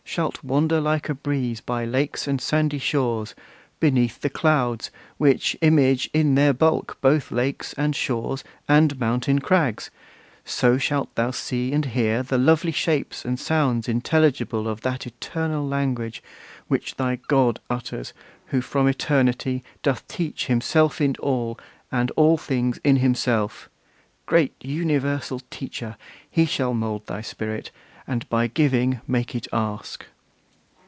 shalt wander like a breeze By lakes and sandy shores, beneath the clouds, Which image in their bulk both lakes and shores And mountain crags: so shalt thou see and hear The lovely shapes and sounds intelligible Of that eternal language, which thy God Utters, who from eternity, doth teach Himself in all, and all things in himself. Great universal Teacher! he shall mould Thy spirit, and by giving make it ask.